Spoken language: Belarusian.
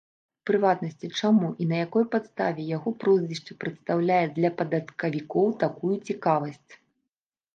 У прыватнасці, чаму і на якой падставе яго прозвішча прадстаўляе для падаткавікоў такую цікавасць.